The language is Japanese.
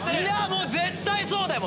もう絶対そうだよ！